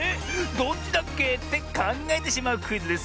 どっちだっけ？」ってかんがえてしまうクイズです。